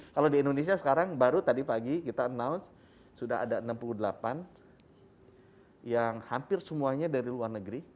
kalau di indonesia sekarang baru tadi pagi kita announce sudah ada enam puluh delapan yang hampir semuanya dari luar negeri